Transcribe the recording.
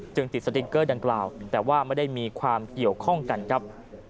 ติดสติ๊กเกอร์ดังกล่าวแต่ว่าไม่ได้มีความเกี่ยวข้องกันครับ